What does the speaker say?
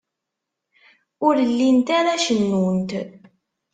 Ur llint ara cennunt.